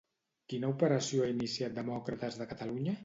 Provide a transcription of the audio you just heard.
Quina operació ha iniciat Demòcrates de Catalunya?